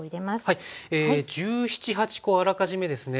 １７１８コあらかじめですね